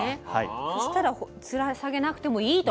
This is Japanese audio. そしたらつらさげなくてもいいと。